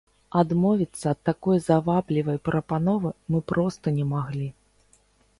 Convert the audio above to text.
Адмовіцца ад такой заваблівай прапановы мы проста не маглі.